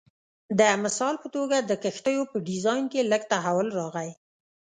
د مثال په توګه د کښتیو په ډیزاین کې لږ تحول راغی